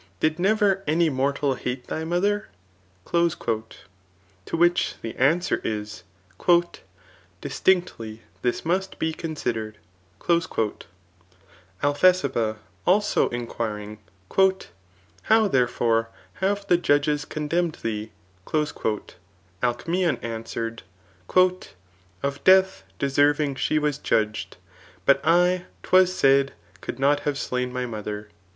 <' Did never anjr nortai hate thy mother ?* To which the answer is, Distinctly this must be considered.'^ Alphesibsea, also, inquiring, << How therefore hare the judges condemned thee ?" Alcmsson answered, " Of death deserving she was judg'd, but I, *Twas said, could not have slain my mother."